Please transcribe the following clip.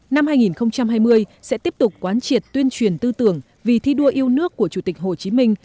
năm hai nghìn hai mươi sẽ tiếp tục quán triệt tuyên truyền tư tưởng vì thi đua yêu nước của chủ tịch hồ chí minh